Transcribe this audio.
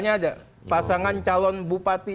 nya ada pasangan calon bupati